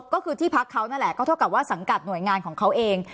ก็คือที่พักเขานั่นแหละก็เท่ากับว่าสังกัดหน่วยงานของเขาเอง